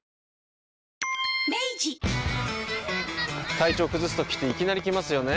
体調崩すときっていきなり来ますよね。